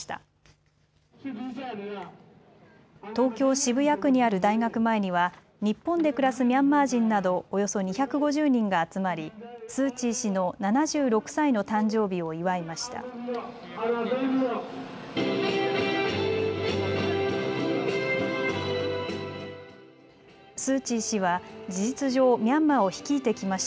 渋谷区にある大学前には日本で暮らすミャンマー人などおよそ２５０人が集まりスー・チー氏の７６歳の誕生日を祝いました。